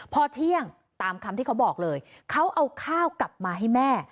พอเที่ยงตามคำที่เขาบอกเลยเขาเอาข้าวกลับมาให้แม่